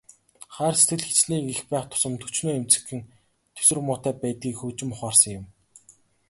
Хайр сэтгэл хэчнээн их байх тусам төчнөөн эмзэгхэн, тэсвэр муутай байдгийг хожим ухаарсан юм.